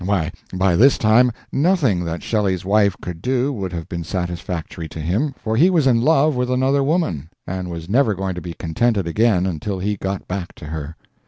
Why, by this time, nothing that Shelley's wife could do would have been satisfactory to him, for he was in love with another woman, and was never going to be contented again until he got back to her.